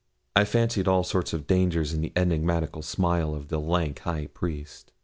I fancied all sorts of dangers in the enigmatical smile of the lank high priest.